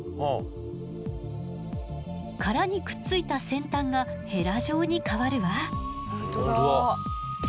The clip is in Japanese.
殻にくっついた先端がヘラ状に変わるわ。